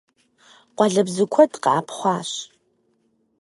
Къуалэбзу куэд къэӀэпхъуащ.